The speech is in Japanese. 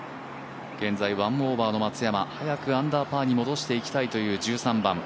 現在１オーバーの松山早くアンダーパーに戻していきたいという１３番。